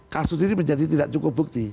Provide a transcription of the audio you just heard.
kasus ini menjadi tidak cukup bukti